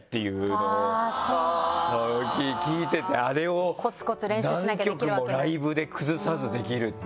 聴いててあれを何曲もライブで崩さずできるって。